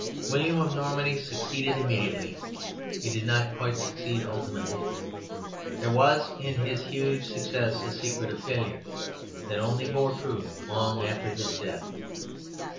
William of Normandy succeeded immediately, he did not quite succeed ultimately; there was in his huge success a secret of failure that only bore fruit long after his death.